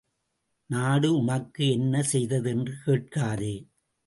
நாடு உனக்கு என்ன செய்தது என்று கேட்காதே.